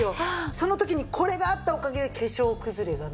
その時にこれがあったおかげで化粧崩れがない。